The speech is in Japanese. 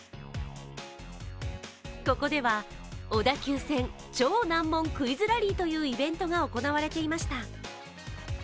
ここでは小田急線超難問クイズラリーというイベントが行われていました。